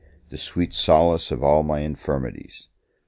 the sweet solace of all my infirmities!